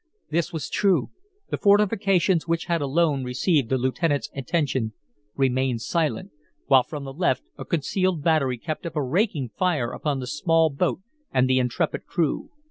This was true. The fortifications which had alone received the lieutenant's attention remained silent, while from the left a concealed battery kept up a raking fire upon the small boat and the intrepid crew.